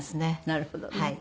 なるほどね。